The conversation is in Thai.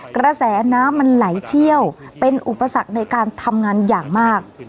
กระแสน้ำมันไหลเชี่ยวเป็นอุปสรรคในการทำงานอย่างมาก